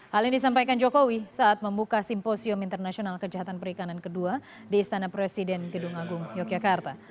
hal ini disampaikan jokowi saat membuka simposium internasional kejahatan perikanan kedua di istana presiden gedung agung yogyakarta